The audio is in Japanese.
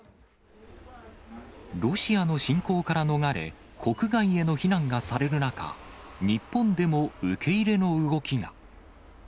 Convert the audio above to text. ロシアの侵攻から逃れ、国外への避難がされる中、日本でも受け入れの動きが。